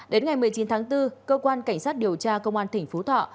đến ngày một mươi chín tháng bốn cơ quan cảnh sát điều tra công an tỉnh phú thọ